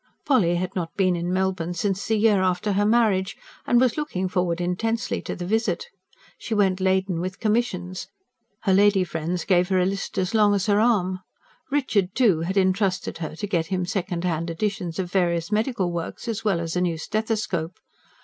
Polly had not been in Melbourne since the year after her marriage, and was looking forward intensely to the visit. She went laden with commissions; her lady friends gave her a list as long as her arm. Richard, too, had entrusted her to get him second hand editions of various medical works, as well as a new stethoscope.